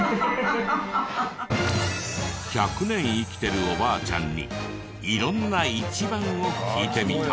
１００年生きてるおばあちゃんに色んな１番を聞いてみた。